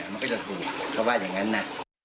มันก็จะถูกเขาว่าอย่างนั้นนะ